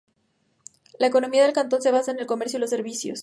La economía del cantón se basa en el comercio y los servicios.